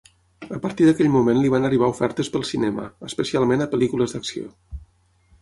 A partir d'aquell moment li van arribar ofertes pel cinema, especialment a pel·lícules d'acció.